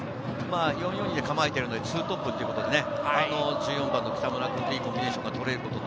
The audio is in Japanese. ４−４に構えてるので、２トップということで、１４番の北村君といいコミュニケーションが取れること。